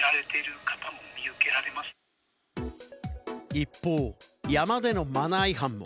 一方、山でのマナー違反。